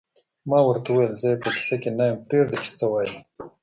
ما ورته وویل: زه یې په کیسه کې نه یم، پرېږده چې څه وایې.